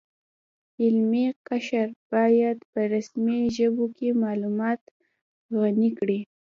علمي قشر باید په رسمي ژبو کې معلومات غني کړي